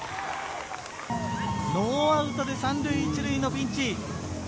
ノーアウトで３塁１塁のピンチ。